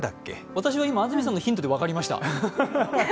私は今、安住さんのヒントで分かりました。